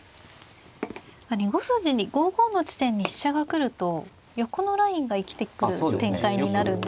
５筋に５五の地点に飛車が来ると横のラインが生きてくる展開になるんですね。